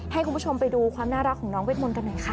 ให้คุณผู้ชมไปดูความน่ารักของน้องเวทมนต์กันหน่อยค่ะ